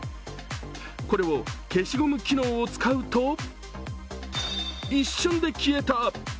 これを消しゴム機能を使うと、一瞬で消えた。